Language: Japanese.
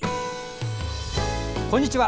こんにちは。